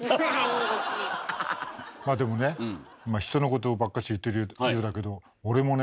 まあでもね人のことばっかし言ってるようだけど俺もね